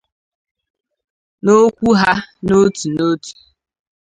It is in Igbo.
N'okwu ha n'otu n'otu